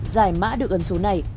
giải mã được ấn số này